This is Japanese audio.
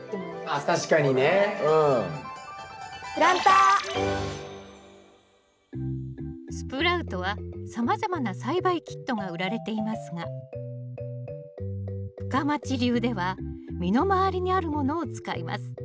確かにねうん。スプラウトはさまざまな栽培キットが売られていますが深町流では身の回りにあるものを使います。